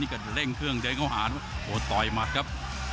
นี่ก็เร่งเครื่องเดี๋ยวเขาหาโอ้ต่อยมัดครับ